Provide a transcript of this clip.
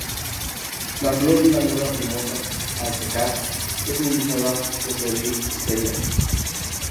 La flor lanuda plumosa, al secar, es muy usada en floristería.